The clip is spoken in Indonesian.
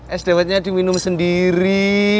es dewetnya diminum sendiri